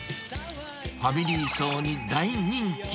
ファミリー層に大人気。